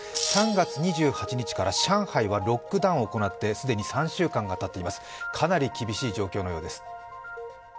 ３月２８日から上海はロックダウンを行って既に３週間がたっています、かなり厳しい状況のようです。